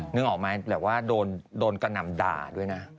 นึกออกไหมแบบว่าโดนกระหน่ำด่าด้วยนะ